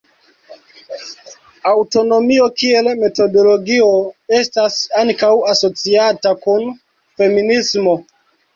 Aŭtonomio kiel metodologio estas ankaŭ asociata kun feminismo.